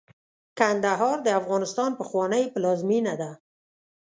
کندهار د افغانستان پخوانۍ پلازمېنه ده.